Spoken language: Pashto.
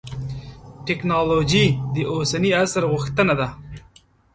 تکنالوجي د اوسني عصر غوښتنه ده.